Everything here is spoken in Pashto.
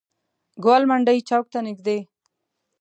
ګوالمنډۍ چوک ته نزدې.